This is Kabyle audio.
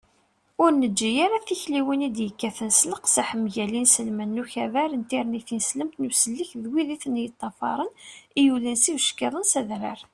ur neǧǧi ara tikliwin i d-yekkaten s leqseḥ mgal inselmen n ukabar n tirni tineslemt n usellek d wid i ten-yeṭṭafaṛen i yulin s yibeckiḍen s adrar